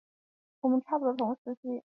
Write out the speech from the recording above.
我们差不多同时期走上了革命的道路。